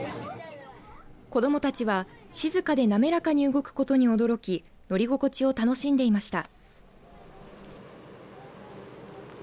子どもたちは静かで滑らかに動くことに驚き乗り心地を楽しんでいました。